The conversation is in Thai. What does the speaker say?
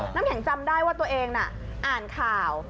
น้ำแข็งจำได้ว่าตัวเองน่ะอ่านข่าว